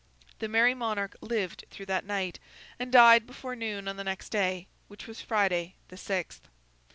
The Merry Monarch lived through that night, and died before noon on the next day, which was Friday, the sixth.